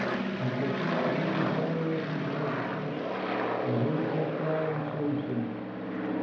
He fulfils the desire of his worshippers, He hears their cry and saves them.